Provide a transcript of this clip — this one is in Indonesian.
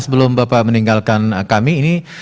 sebelum bapak meninggalkan kami ini